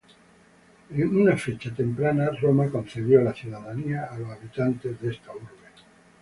En una fecha temprana, Roma concedió la ciudadanía a los habitantes de esta urbe.